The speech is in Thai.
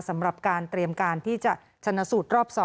สำหรับการเตรียมการที่จะชนะสูตรรอบ๒